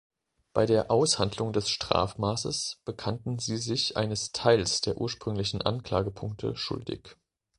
Bei der Aushandlung des Strafmaßes bekannten sie sich eines Teils der ursprünglichen Anklagepunkte schuldig.